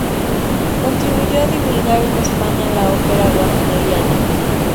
Contribuyó a divulgar en España la ópera wagneriana.